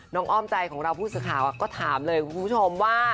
อ้อมใจของเราผู้สื่อข่าวก็ถามเลยคุณผู้ชมว่า